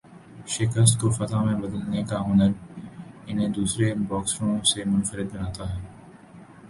شکست کو فتح میں بدلنے کا ہنر انہیں دوسرے باکسروں سے منفرد بناتا ہے